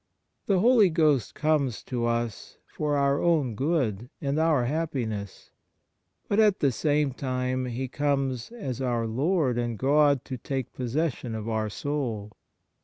The Holy Ghost comes to us for our own good and our happiness, but at the same time He comes as our Lord and God to take possession of our soul.